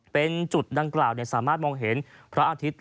เป็นจุดดังกล่าวสามารถมองเห็นพระอาทิตย์